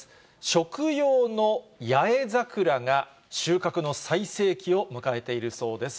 食用の八重桜が収穫の最盛期を迎えているそうです。